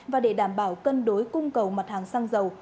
và để đảm bảo cân đối cung cầu mặt hàng xăng dầu